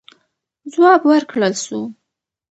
ځواب ورکړل سو.